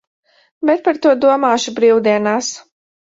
Bet par to domāšu brīvdienās.